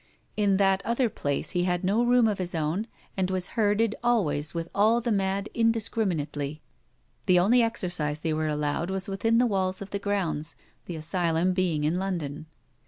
In that other place he had no room of his own, and was herded, always, with all the mad indiscriminately. The only exercise they were allowed was within the walls of the grounds, the asylum being in London.